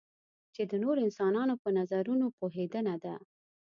چې د نورو انسانانو پر نظرونو پوهېدنه ده.